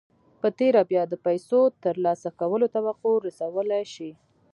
په تېره بیا د پیسو ترلاسه کولو توقع رسولای شئ